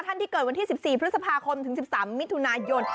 ที่เกิดวันที่๑๔พฤษภาคมถึง๑๓มิถุนายน